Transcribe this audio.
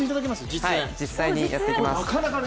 実際にやっていきます。